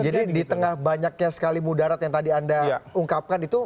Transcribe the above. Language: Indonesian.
jadi di tengah banyaknya sekali mudarat yang tadi anda ungkapkan itu